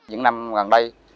những năm gần đây